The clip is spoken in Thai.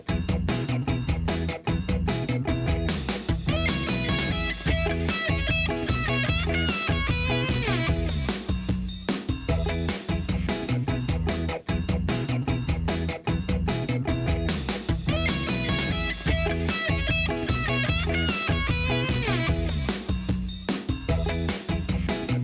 เราสองคนพร้อมทีมงานลาไปก่อนสวัสดีครับ